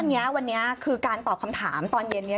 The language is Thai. วันนี้วันนี้คือการตอบคำถามตอนเย็นนี้